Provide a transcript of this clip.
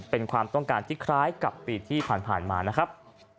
เป็นความต้องการที่คล้ายกับปีที่ผ่านมานะครับ